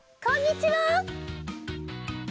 こんにちは！